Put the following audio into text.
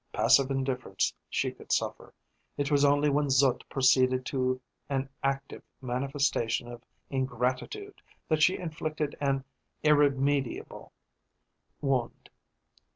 Passive indifference she could suffer. It was only when Zut proceeded to an active manifestation of ingratitude that she inflicted an irremediable wound.